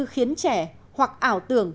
khiến trẻ hoặc ảo tưởng